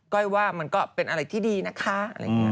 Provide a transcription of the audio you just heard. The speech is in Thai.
ก้อยว่ามันก็เป็นอะไรที่ดีนะคะ